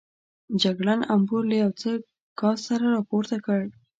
جګړن امبور له یو څه ګاز سره راپورته کړ.